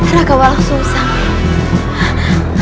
raka walau susah